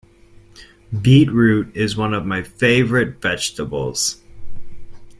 Beetroot is one of my favourite vegetables